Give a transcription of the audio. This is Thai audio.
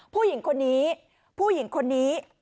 ผู้หญิงคนนี้ผู้หญิงคนนี้